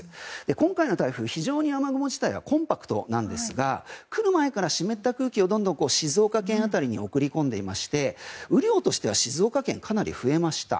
今回の台風、非常に雨雲自体はコンパクトなんですが来る前から湿った空気をどんどん静岡県辺りに送り込んでいまして雨量としては静岡県かなり増えました。